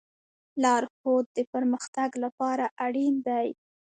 لارښود د پرمختګ لپاره اړین دی.